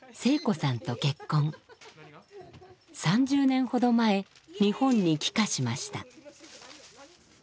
３０年ほど前日本に帰化しました。